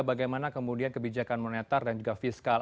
bagaimana kemudian kebijakan moneter dan juga fiskal